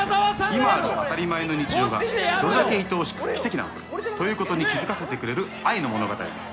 今ある当たり前の日常がどれだけいとおしく、奇跡なのかということに気づかせてくれる愛の物語です